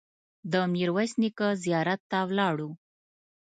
د میرویس نیکه زیارت ته ولاړو.